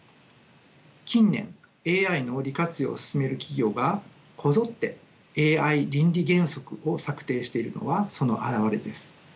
近年ＡＩの利活用を進める企業がこぞってＡＩ倫理原則を策定しているのはその表れです。